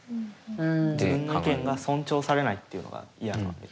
自分の意見が尊重されないっていうのが嫌なわけ？